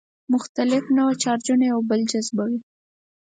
مختلف النوع چارجونه یو بل جذبوي.